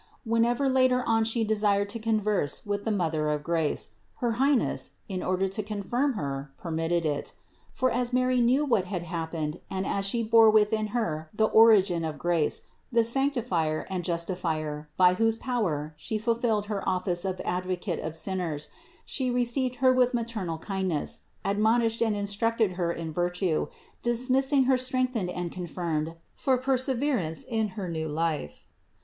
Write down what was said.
Whenever later on she desired to converse with the Mother of grace, her Highness, in order to confirm her, permitted it. For as Mary knew what had happened and as She bore within Her the origin of grace, the Sanctifier and Justifier by whose power She fulfilled her office of Advocate of sinners She received her with maternal kindness, admonished and instructed her in virtue, dismissing her strengthened and confirmed for perseverence in her new life.